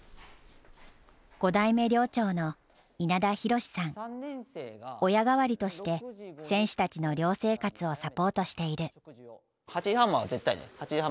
５代目寮長の親代わりとして選手たちの寮生活をサポートしている。